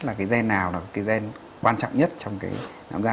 là cái gen nào là cái gen quan trọng nhất trong cái nám gen